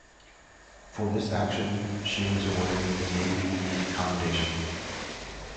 For this action, she was awarded the Navy Unit Commendation.